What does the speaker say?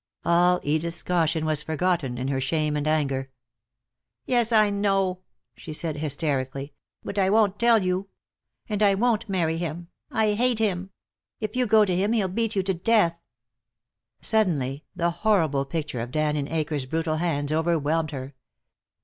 All Edith's caution was forgotten in her shame and anger. "Yes, I know," she said, hysterically, "but I won't tell you. And I won't marry him. I hate him. If you go to him he'll beat you to death." Suddenly the horrible picture of Dan in Akers' brutal hands overwhelmed her.